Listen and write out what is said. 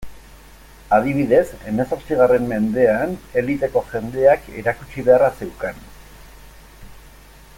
Adibidez, hemezortzigarren mendean, eliteko jendeak erakutsi beharra zeukan.